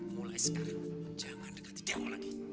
mulai sekarang jangan dekati dewo lagi